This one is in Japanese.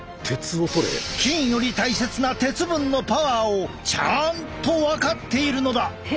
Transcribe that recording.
金より大切な鉄分のパワーをちゃんと分かっているのだ。